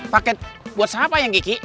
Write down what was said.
paket buat siapa ya kiki